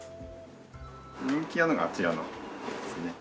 人気なのがあちらのですね。